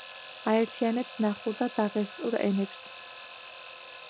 აერთიანებს ნახურ და დაღესტნურ ენებს.